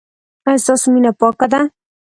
ایا ستاسو مینه پاکه ده؟